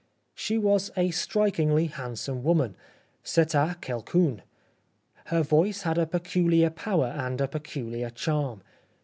She was a strikingly hand some woman. C'etait quelqu'un. Her voice had a peculiar power and a peculiar charm.